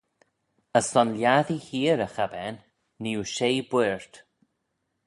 As son lhiattee heear y chabbane nee oo shey buird.